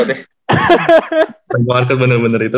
iya udah ya murah banget ya